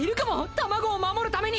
卵を守るために！